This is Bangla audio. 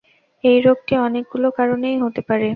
এই রোগটি অনেকগুলো কারণেই হতে পারে।